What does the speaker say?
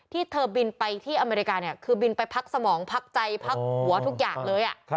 ที่เธอบินไปที่อเมริกาเนี่ยคือบินไปพักสมองพักใจพักหัวทุกอย่างเลย